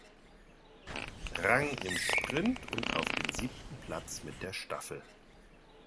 Rang im Sprint und auf den siebten Platz mit der Staffel.